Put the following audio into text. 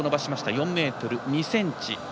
４ｍ２ｃｍ。